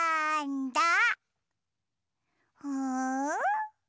うん？